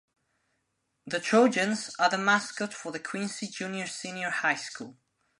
The 'Trojans' are the mascot for the Quincy Junior-Senior High School.